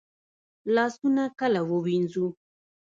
لاسونه کله ووینځو؟